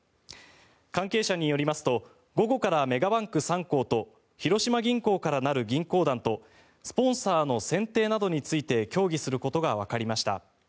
関係者によりますと、午後からメガバンク３行と広島銀行からなる銀行団とスポンサーの選定などについて協議することがわかりました。